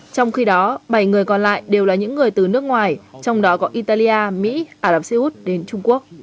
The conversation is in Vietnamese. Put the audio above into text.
trong khi đó bảy người còn lại đều là những người từ nước ngoài trong đó có italia mỹ ả rập xê út đến trung quốc